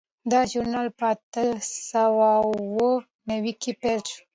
دا ژورنال په اتلس سوه اووه نوي کې پیل شو.